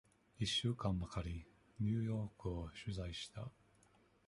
一週間ばかり、ニューヨークを取材した。